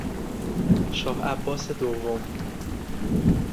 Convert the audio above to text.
شاه عباس دوم